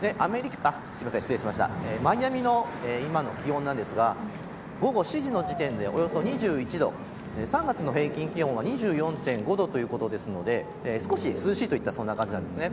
マイアミの今の気温なんですが午後７時の時点で、およそ２１度３月の平均気温は２４．５度ということなので少し涼しいといった感じです。